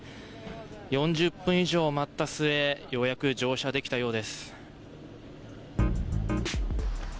４０分以上、待った末ようやく乗車できたようです。